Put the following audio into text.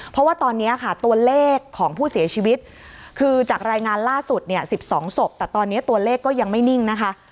เพราะว่าตอนนี้ค่ะตัวเลขของผู้เสียชีวิตคือจากรายงานล่าสุดเนี่ย๑๒ศพแต่ตอนนี้ตัวเลขก็ยังไม่นิ่งนะคะ